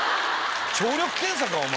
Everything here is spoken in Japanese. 聴力検査か！